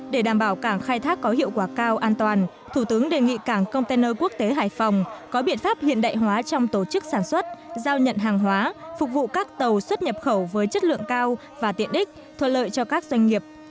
để đảm bảo cảng khai thác có hiệu quả cao an toàn thủ tướng đề nghị cảng container quốc tế hải phòng có biện pháp hiện đại hóa trong tổ chức sản xuất giao nhận hàng hóa phục vụ các tàu xuất nhập khẩu với chất lượng cao và tiện đích thuận lợi cho các doanh nghiệp